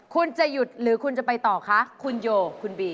คุณจะหยุดหรือคุณจะไปต่อคะคุณโยคุณบี